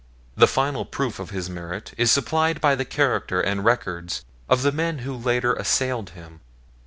The final proof of his merit is supplied by the character and records of the men who later assailed him.